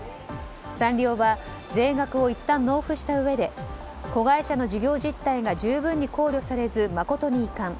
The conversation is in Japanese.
サンリオは税額をいったん納付したうえで子会社の事業実態が十分に考慮されず誠に遺憾。